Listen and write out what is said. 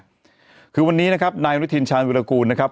รองนายวิทินชาญวิรกูลนะครับรองนายวิทินชาญวิรกูลนะครับ